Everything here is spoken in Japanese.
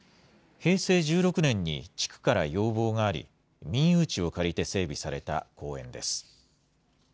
平成１６年に地区から要望があり、民有地を借りて整備された公園です。